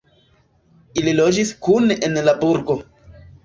Ili loĝis kune en la burgo.